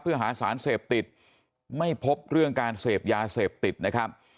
เพื่อหาสารเสพติดไม่พบเรื่องการเสพยาเสพติดนะครับ